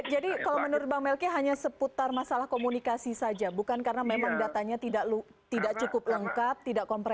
jadi kalau menurut bang melki hanya seputar masalah komunikasi saja bukan karena memang datanya tidak cukup lengkap tidak komprensif